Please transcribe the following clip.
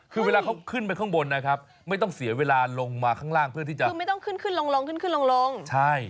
คือเวลาเขาขึ้นไปข้างบนนะครับไม่ต้องเสียเวลาลงมาข้างล่างเพื่อที่จะ